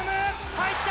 入った！